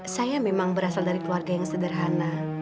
saya memang berasal dari keluarga yang sederhana